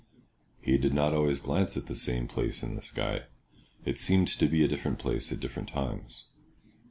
He did not always glance at the same place in the sky—it seemed to be a different place at different times.